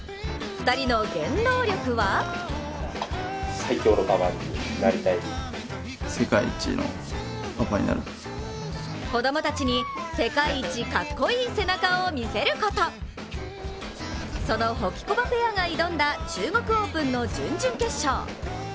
２人の原動力は子供たちに世界一かっこいい背中を見せることそのホキコバペアが挑んだ中国オープンの準々決勝。